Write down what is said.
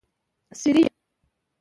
څرې يې؟